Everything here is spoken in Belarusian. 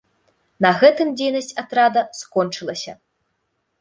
На гэтым дзейнасць атрада скончылася.